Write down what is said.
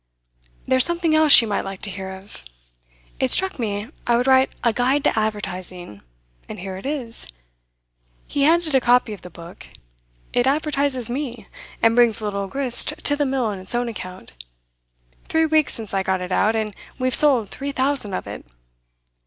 'There's something else you might like to hear of. It struck me I would write a Guide to Advertising, and here it is.' He handed a copy of the book. 'It advertises me, and brings a little grist to the mill on its own account. Three weeks since I got it out, and we've sold three thousand of it.